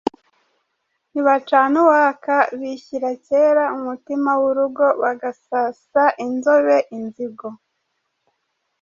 ntibacana uwaka, bishyira kera, umutima w’urugo, bagasasa inzobe, inzigo